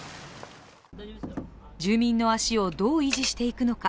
住民の足をどう維持していくのか。